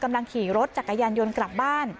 กำลังขี่รถจักรยานยนต์กลับบ้าน